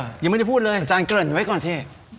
ยังไม่ได้พูดเลยอาจารย์เกริ่นไว้ก่อนสิ